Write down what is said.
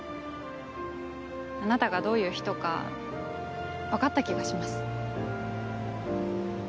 あなたがどういう人か分かった気がします。